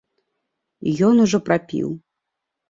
І ён ужо прапіў!